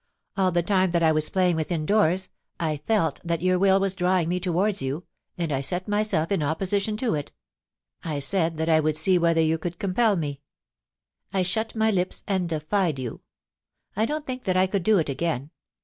... All the time that I was playing within doors, I fdt that your will was drawing me towards you, and I set myself in opposition to it I said that I would see whether you could compel me. ... I shut my lips and defied you. I don't think that I could do it again.